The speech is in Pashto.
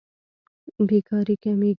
بېکاري کمېږي.